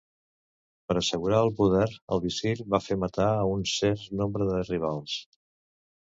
Per assegurar el poder, el visir va fer matar a un cert nombre de rivals.